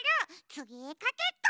つぎはかけっこ！